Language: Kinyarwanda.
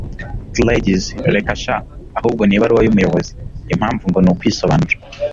gladys reka sha! ahubwo ni ibaruwa y'umuyobozi! impamvu ngo ni ukwisobanura